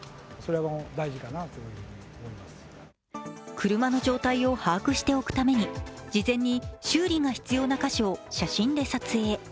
車の状態を把握しておくために事前に修理が必要な箇所を写真で撮影。